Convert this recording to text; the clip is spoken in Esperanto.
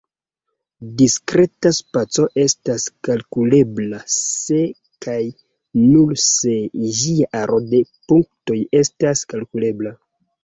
Diskreta spaco estas kalkulebla se kaj nur se ĝia aro de punktoj estas kalkulebla.